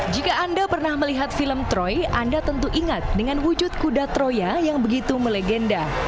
jika anda pernah melihat film troy anda tentu ingat dengan wujud kuda troya yang begitu melegenda